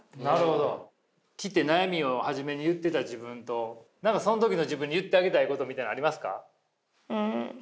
来て悩みを初めに言ってた自分とその時の自分に言ってあげたいことみたいなのありますか？